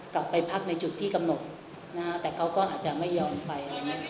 กลับไปพักในจุดที่กำหนดนะฮะแต่เขาก็อาจจะไม่ยอมไป